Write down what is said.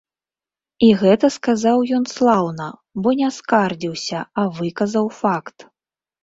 І гэта сказаў ён слаўна, бо не скардзіўся, а выказаў факт.